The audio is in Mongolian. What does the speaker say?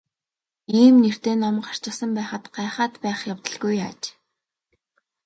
Ийм нэртэй ном гарчихсан байхад гайхаад байх явдалгүй аж.